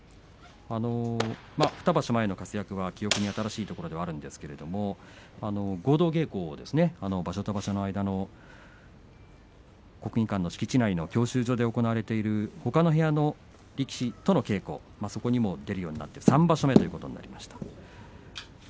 ２場所前の活躍が記憶に新しいところではあるんですけれども合同稽古は場所と場所の間の国技館の敷地内の教習所で行われているほかの部屋の力士との稽古、そこにも出るようになって３場所目ということになりました。